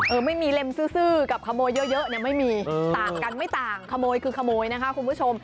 ไม่มีเล็มซื้อกับขโมยเยอะเนี่ยไม่มีต่างกันไม่ต่างขโมยคือขโมยนะคะคุณผู้ชม